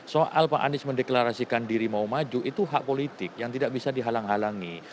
soal pak anies mendeklarasikan diri mau maju itu hak politik yang tidak bisa dihalang halangi